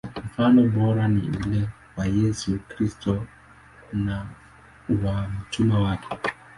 Mfano bora ni ule wa Yesu Kristo na wa mitume wake.